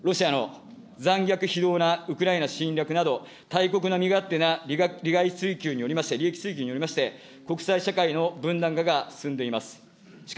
ロシアの残虐非道なウクライナ侵略など、大国の身勝手な利害追求によりまして、利益追求によりまして、国際社会の分断化が進んでいます。